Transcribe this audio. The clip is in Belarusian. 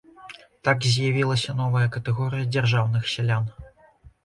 Так з'явілася новая катэгорыя дзяржаўных сялян.